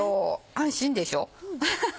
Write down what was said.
「安心でしょ」。